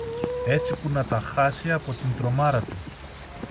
έτσι που να τα χάσει από την τρομάρα του.